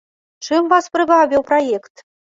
Чым вас прывабіў праект?